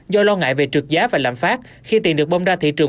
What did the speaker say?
do lo ngại về trượt giá và lạm phát khi tiền được bông ra thị trường